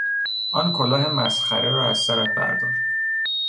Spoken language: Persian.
آن کلاه مسخره را از سرت بردار!